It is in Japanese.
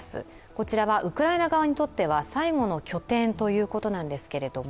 こちらはウクライナ側にとっては最後の拠点です。